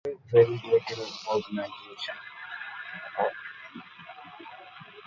Today, very little original information remains, and those that know give little away.